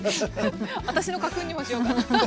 私の家訓にもしようかな。